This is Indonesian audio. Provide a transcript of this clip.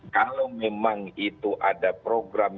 kalau memang itu ada program